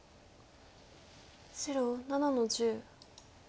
白７の十。